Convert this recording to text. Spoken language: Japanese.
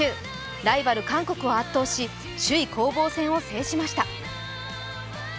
ライバル韓国を圧倒し、首位攻防戦を制しました。